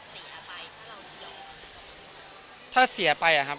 ถ้าสมมุติที่เราต้องเสียไปถ้าเรายอม